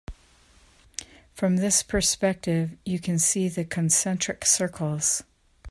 From this perspective you can see the concentric circles.